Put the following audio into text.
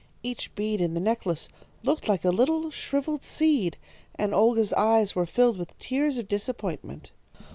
Each bead in the necklace looked like a little shrivelled seed, and Olga's eyes were filled with tears of disappointment.